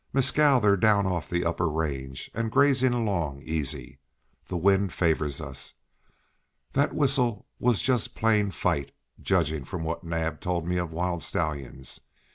"Mescal, they're down off the upper range, and grazing along easy. The wind favors us. That whistle was just plain fight, judging from what Naab told me of wild stallions.